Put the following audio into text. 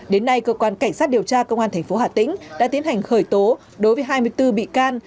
đến nay cơ quan cảnh sát điều tra công an tp hà tĩnh đã tiến hành khởi tố đối với hai mươi bốn bị can